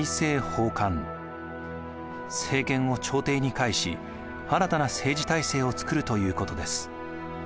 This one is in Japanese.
政権を朝廷に返し新たな政治体制をつくるということです。